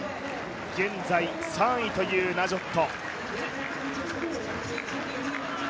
現在３位というナジョット。